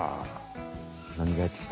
なにがやってきた？